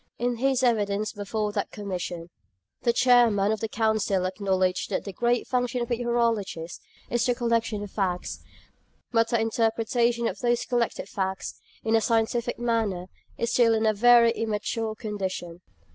In his evidence before that Commission, the Chairman of the Council acknowledged that the great function of meteorologists is the collection of facts; but the interpretation of those collected facts, in a scientific manner, is still in a very immature condition.